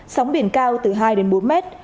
sóng biển cao từ hai đến bốn mét